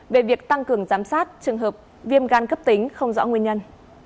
về việc tăng cường giám sát trường hợp viêm gan cấp tính không rõ nguyên nhân